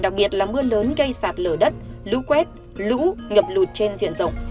đặc biệt là mưa lớn gây sạt lở đất lũ quét lũ ngập lụt trên diện rộng